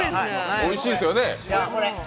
おいしいですよね？